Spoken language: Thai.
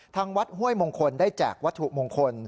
ทางวัดห้วยมงคลได้แจกวัตถุมงคล